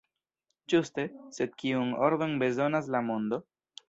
Ĝuste, sed kiun ordon bezonas la mondo?